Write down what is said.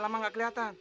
lama gak keliatan